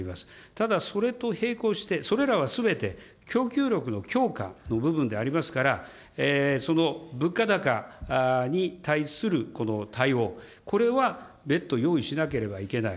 ただ、それと並行して、それらはすべて供給力の強化の部分でありますから、その物価高に対するこの対応、これは別途用意しなければいけない。